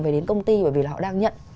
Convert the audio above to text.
về đến công ty bởi vì họ đang nhận